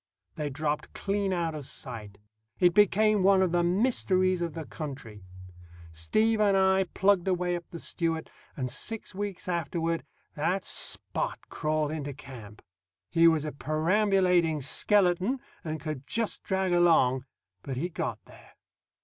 They dropped clean out of sight. It became one of the mysteries of the country. Steve and I plugged away up the Stewart, and six weeks afterward that Spot crawled into camp. He was a perambulating skeleton, and could just drag along; but he got there.